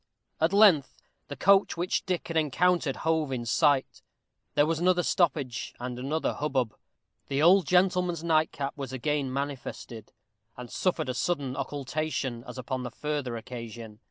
At length the coach which Dick had encountered hove in sight. There was another stoppage and another hubbub. The old gentleman's nightcap was again manifested, and suffered a sudden occultation, as upon the former occasion.